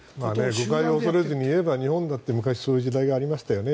誤解を恐れずに言えば日本だって昔そういう時代がありましたよね。